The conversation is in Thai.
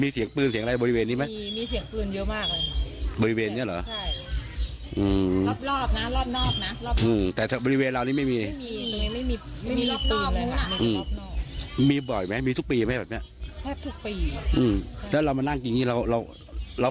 ปีนี้ก็มากินแต่พอปีนี้เกิดก็ปีหน้าก็ไม่น่าจะกินนั่นแหละ